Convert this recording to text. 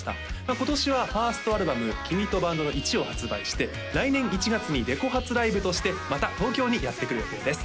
今年は１ｓｔアルバム「きみとバンドの１」を発売して来年１月にレコ発ライブとしてまた東京にやって来る予定です